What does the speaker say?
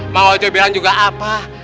mau aja bilang juga apa